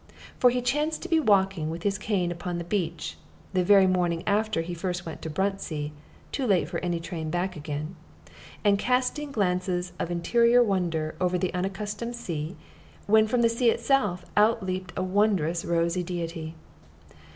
For he chanced to be walking with his cane upon the beach (the very morning after he first went to Bruntsea, too late for any train back again), and casting glances of interior wonder over the unaccustomed sea when from the sea itself out leaped a wondrous rosy deity.